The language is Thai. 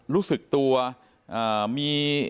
รู้สึกตัวมี